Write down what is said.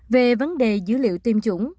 về vấn đề dữ liệu tiêm chủng